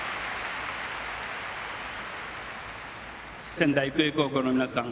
仙台育英高校の皆さん